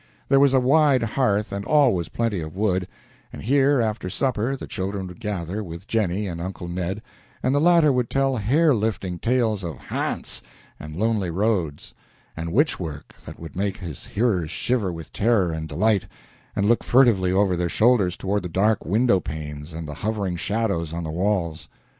There was a wide hearth and always plenty of wood, and here after supper the children would gather, with Jennie and Uncle Ned, and the latter would tell hair lifting tales of "ha'nts," and lonely roads, and witch work that would make his hearers shiver with terror and delight, and look furtively over their shoulders toward the dark window panes and the hovering shadows on the walls.